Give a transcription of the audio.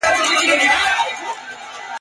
چي د سیمي اوسېدونکي !.